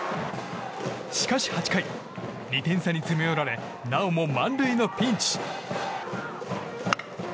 しかし８回、２点差に詰め寄られなおも満塁のピンチ。